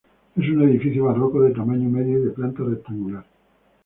Es un edificio barroco de tamaño medio y de planta rectangular.